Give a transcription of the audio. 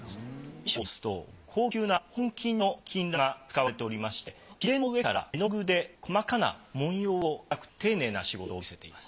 衣装を見ますと高級な本金の金襴が使われておりましてきれの上から絵の具で細かな文様を描く丁寧な仕事を見せています。